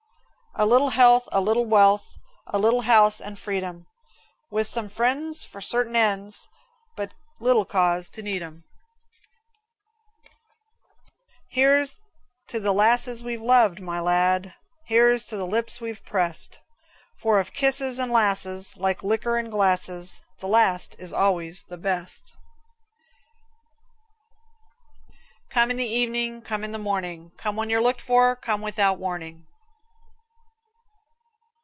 A little health, a little wealth, A little house and freedom, With some friends for certain ends, But little cause to need 'em. Here's to the lasses we've loved, my lad, Here's to the lips we've pressed; For of kisses and lasses, Like liquor in glasses, The last is always the best. Come in the evening, come in the morning, Come when you're looked for, come without warning.